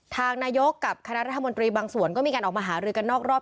ทางนายกกับคณะรัฐมนตรีบางส่วนก็มีการออกมาหารือกันนอกรอบ